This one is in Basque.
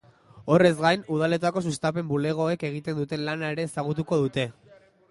Horrez gain, udaletako sustapen bulegoek egiten duten lana ere ezagutuko dute.